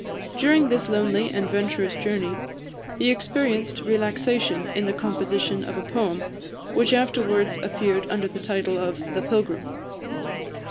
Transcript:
During this lonely and venturous journey he experienced relaxation in the composition of a poem, which afterwards appeared under the title of "The Pilgrim."